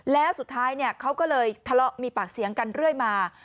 แล้วสุดท้ายเขาก็เลยทะเลาะมีปากเสียงกันเรื่อยมา